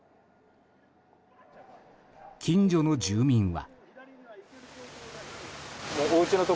近所の住民は。